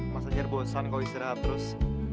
mas anjar bosan kok istirahat terus